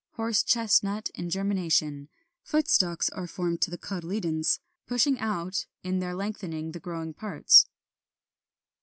Horse chestnut in germination; foot stalks are formed to the cotyledons, pushing out in their lengthening the growing parts.